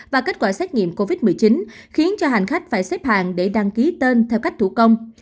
và kết quả xét nghiệm covid một mươi chín khiến cho hành khách phải xếp hàng để đăng ký tên theo cách thủ công